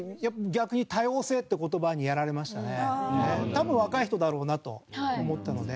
多分若い人だろうなと思ったので。